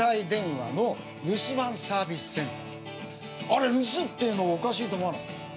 あれ留守っていうのおかしいと思わない？